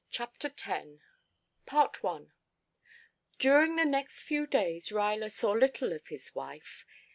CHAPTER X I During the next few days Ruyler saw little of his wife.